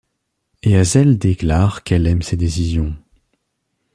Et Hazel déclare qu'elle aime ses décisions.